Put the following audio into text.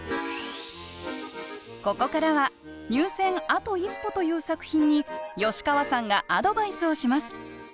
ここからは入選あと一歩という作品に吉川さんがアドバイスをします